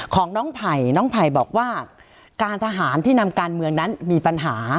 ของน้องไผ่น้องไผ่บอกว่าการทหารที่นำการเมืองนั้นมีปัญหา